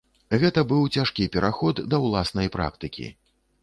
Гэта быў цяжкі пераход да ўласнай практыкі.